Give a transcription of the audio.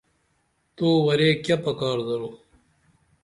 تو ور ے کیہ پکار دور؟